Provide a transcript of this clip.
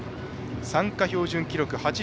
参加標準記録